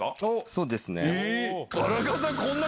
そうですね。